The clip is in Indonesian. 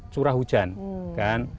curah hujan kan